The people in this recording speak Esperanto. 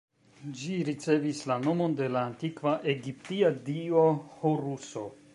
Ĝi ricevis la nomon de la antikva egiptia dio Horuso.